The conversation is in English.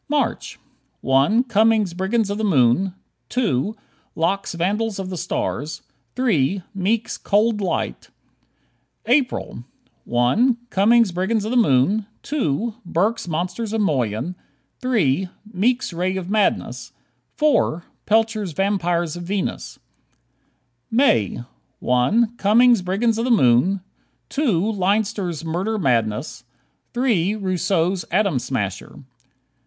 March: 1 Cummings' "Brigands of the Moon"; 2 Locke's "Vandals of the Stars"; 3 Meek's "Cold Light." April: 1 Cummings' "Brigands of the Moon"; 2 Burk's "Monsters of Moyen"; 3 Meek's "Ray of Madness"; 4 Pelcher's "Vampires of Venus." May: 1 Cummings' "Brigands of the Moon"; 2 Leinster's "Murder Madness"; 3 Rousseau's "Atom Smasher."